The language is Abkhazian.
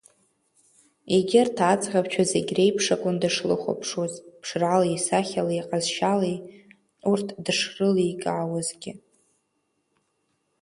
Егьырҭ аӡӷабцәа зегь реиԥш акәын дышлыхәаԥшуаз, ԥшралеи, сахьалеи, ҟазшьалеи урҭ дышрыликаауазгьы.